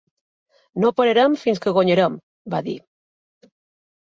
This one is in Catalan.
No pararem fins que guanyarem, va dir.